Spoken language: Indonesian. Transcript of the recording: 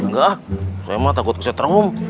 enggak saya mah takut kesetrum